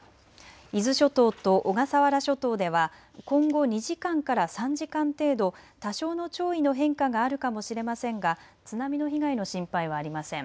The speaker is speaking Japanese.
伊豆諸島と小笠原諸島では今後２時間から３時間程度、多少の潮位の変化があるかもしれませんが津波の被害の心配はありません。